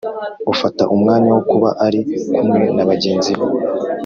afata umwanya wo kuba ari kumwe na bagenzi be